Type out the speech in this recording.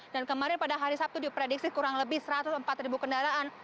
dan kemarin pada hari sabtu diprediksi kurang lebih satu ratus empat kendaraan